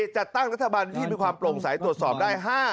จัดตั้งรัฐบาลที่มีความโปร่งใสตรวจสอบได้